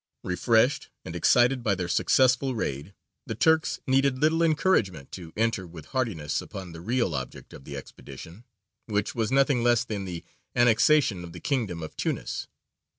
Refreshed and excited by their successful raid, the Turks needed little encouragement to enter with heartiness upon the real object of the expedition, which was nothing less than the annexation of the kingdom of Tunis.